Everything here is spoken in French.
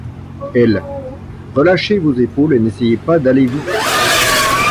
Elle : Relâchez vos épaules et n’essayez pas d’aller vite.